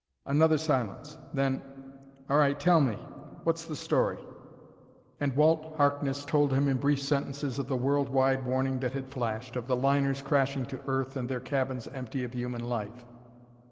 Another silence. Then: "All right, tell me! What's the story?" And Walt Harkness told him in brief sentences of the world wide warning that had flashed, of the liners crashing to earth and their cabins empty of human life.